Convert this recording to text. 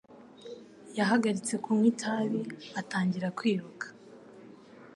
Yahagaritse kunywa itabi atangira kwiruka